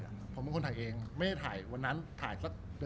รูปนั้นผมก็เป็นคนถ่ายเองเคลียร์กับเราแก้ปัญหากับเรา